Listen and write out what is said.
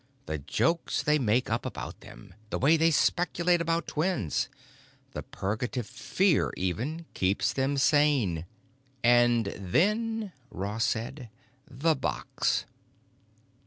The jokes they make up about them! The way they speculate about twins! The purgative fear, even, keeps them sane." "And then," Ross said, "'the box.